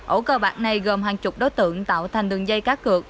ổ cơ bạc này gồm hàng chục đối tượng tạo thành đường dây cá cược